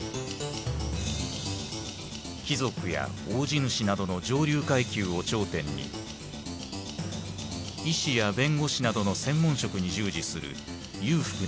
貴族や大地主などの上流階級を頂点に医師や弁護士などの専門職に従事する裕福な中流階級。